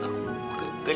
mau tahan duit